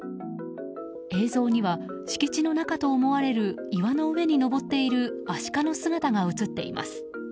映像には敷地の中と思われる岩の上に登っているアシカの姿が映っています。